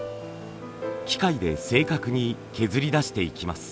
機械で正確に削り出していきます。